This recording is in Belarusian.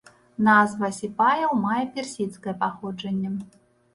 Назва сіпаяў мае персідскае паходжанне.